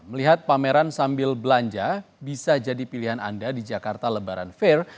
melihat pameran sambil belanja bisa jadi pilihan anda di jakarta lebaran fair